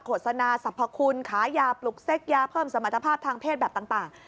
สนาสรรพคุณขายาปลุกเซ็กยาเพิ่มสมรรถภาพทางเพศแบบต่าง